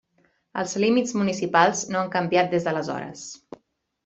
Els límits municipals no han canviat des d'aleshores.